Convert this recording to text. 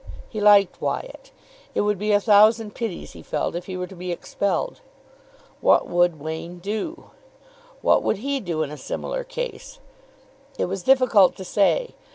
He liked Wyatt. It would be a thousand pities, he felt, if he were to be expelled. What would Wain do? What would he do in a similar case? It was difficult to say.